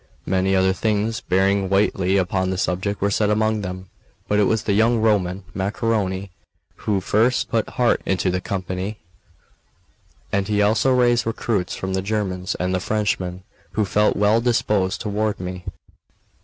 Many other things bearing weightily upon the subject were said among them. But it was the young Roman, Macaroni, who first put heart into the company; and he also raised recruits from the Germans and the Frenchmen, who felt well disposed toward me.